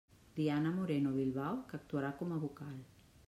Diana Moreno Bilbao, que actuarà com a vocal.